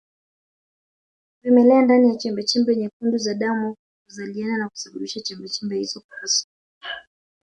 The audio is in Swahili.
Vimelea ndani ya chembechembe nyekundu za damu huzaliana na kusababisha chembechembe hizo kupasuka